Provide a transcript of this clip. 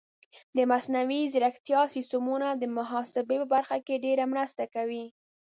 د مصنوعي ځیرکتیا سیستمونه د محاسبې په برخه کې ډېره مرسته کوي.